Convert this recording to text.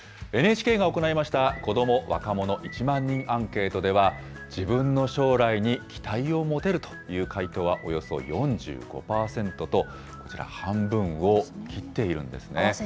ＮＨＫが行いました、子ども・若者１万人アンケートでは、自分の将来に期待を持てるという回答はおよそ４５％と、こちら、半分を切っているんですね。